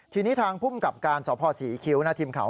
ทีนี้ทางพุ่มกับการสอบพ่อสีคิ้วหน้าทิมเขา